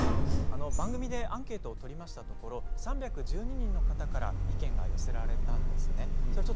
番組でアンケートを取ったところ３１２人の方から意見が寄せられました。